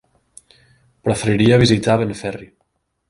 Preferiria visitar Benferri.